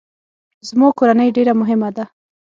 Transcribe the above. زما کورنۍ ډیره مهمه ده